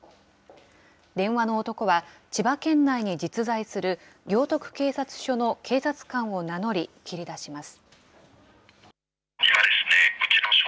電話の男は、千葉県内に実在する行徳警察署の警察官を名乗り、切り出します。